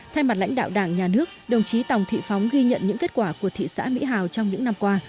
thay mặt lãnh đạo đảng nhà nước đồng chí tòng thị phóng ghi nhận những kết quả của thị xã mỹ hào trong những năm qua